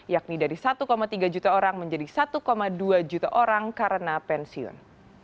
yakni dari satu tiga juta orang menjadi satu dua juta orang karena pensiun